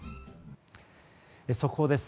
速報です。